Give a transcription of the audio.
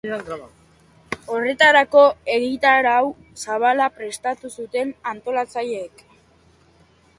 Horretarako, egitarau zabala prestatu zuten antolatzaileek.